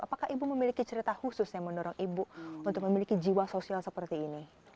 apakah ibu memiliki cerita khusus yang mendorong ibu untuk memiliki jiwa sosial seperti ini